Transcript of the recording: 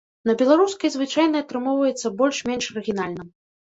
На беларускай звычайна атрымоўваецца больш-менш арыгінальна.